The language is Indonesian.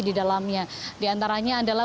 di dalamnya di antaranya adalah